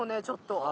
ちょっと。